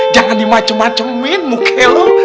jangan dimacem macemin muka lo